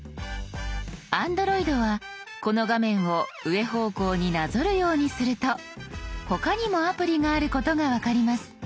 Ａｎｄｒｏｉｄはこの画面を上方向になぞるようにすると他にもアプリがあることが分かります。